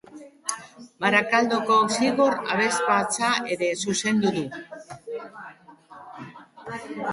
Barakaldoko Zigor Abesbatza ere zuzendu du.